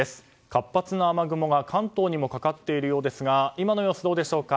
活発な雨雲が関東にもかかっているようですが今の様子、どうでしょうか？